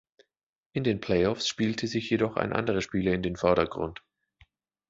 In den Playoffs spielte sich jedoch ein anderer Spieler in den Vordergrund.